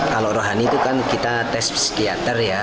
kalau rohani itu kan kita tes psikiater ya